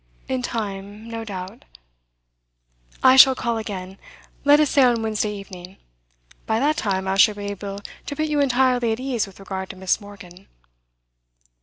'In time, no doubt.' 'I shall call again let us say on Wednesday evening. By that time I shall be able to put you entirely at ease with regard to Miss Morgan.